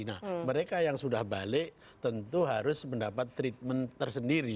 nah mereka yang sudah balik tentu harus mendapat treatment tersendiri